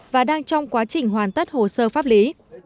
và đang trong quá trình hoàn tất hồ sơ pháp lý